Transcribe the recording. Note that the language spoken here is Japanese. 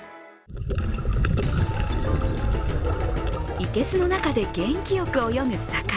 生けすの中で元気よく泳ぐ魚。